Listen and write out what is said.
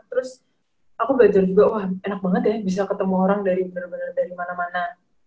terus aku belajar juga wah enak banget ya bisa ketemu orang dari bener bener dari mana mana